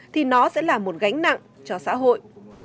thì nó sẽ là một gánh nặng cho xã hội